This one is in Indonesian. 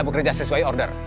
bekerja sesuai order